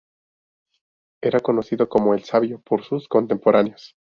Era conocido como "El Sabio" por sus contemporáneos.